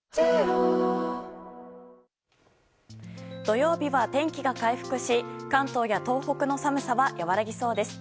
土曜日は天気が回復し関東や東北の寒さは和らぎそうです。